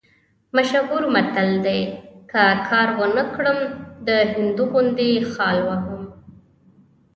مشهور متل دی: که کار ونه کړم، د هندو غوندې خال وهم.